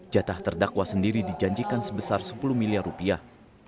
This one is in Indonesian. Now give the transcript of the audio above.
jatah terdakwa sendiri dijanjikan sebesar sepuluh miliar rupiah